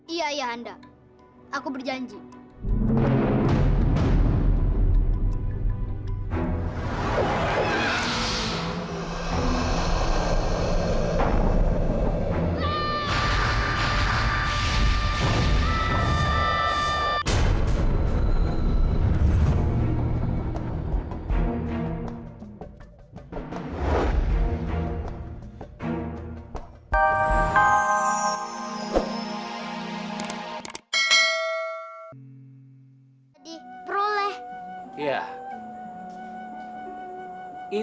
ia ia anda aku berjanji